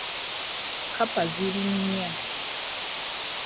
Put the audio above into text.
Kkapa ziri nnya .